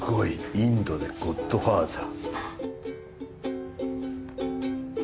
インドでゴッドファーザー。